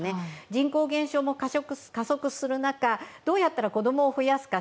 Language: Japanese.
人口減少も加速する中どうやったら子供を増やすか